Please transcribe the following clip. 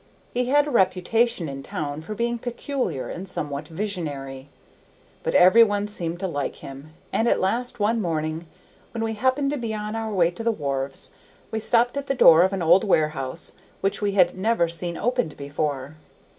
He had a reputation in town for being peculiar and somewhat visionary; but every one seemed to like him, and at last one morning, when we happened to be on our way to the wharves, we stopped at the door of an old warehouse which we had never seen opened before.